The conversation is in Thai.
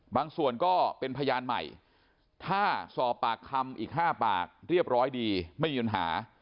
ส่วนก็เป็นพยานใหม่ถ้าสอบปากคำอีก๕ปากเรียบร้อยดีไม่มีปัญหา